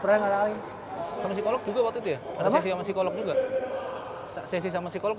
pernah ngadain sama psikolog juga waktu itu ya ada sesi sama psikolog juga sesi sama psikolog